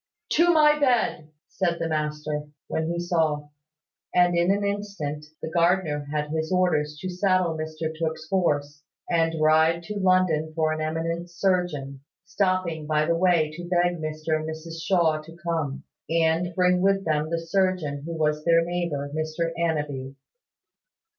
"To my bed!" said the master, when he saw: and in an instant the gardener had his orders to saddle Mr Tooke's horse, and ride to London for an eminent surgeon: stopping by the way to beg Mr and Mrs Shaw to come, and bring with them the surgeon who was their neighbour, Mr Annanby.